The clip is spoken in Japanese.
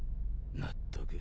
納得。